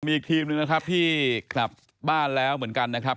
มีอีกทีมหนึ่งนะครับที่กลับบ้านแล้วเหมือนกันนะครับ